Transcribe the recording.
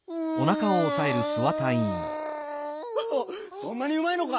そんなにうまいのか？